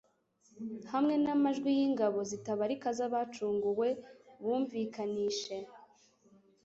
hamwe n'amajwi y'ingabo zitabarika z'abacunguwe bumvikanishe